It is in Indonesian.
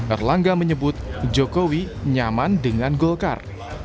erlangga menyebut jokowi nyaman dengan golkar